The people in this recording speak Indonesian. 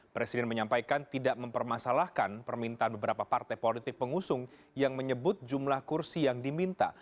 presiden menyampaikan tidak mempermasalahkan permintaan beberapa partai politik pengusung yang menyebut jumlah kursi yang diminta